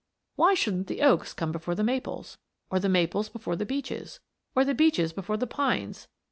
Why shouldn't the oaks come before the maples? Or the maples before the beeches? Or the beeches before the pines?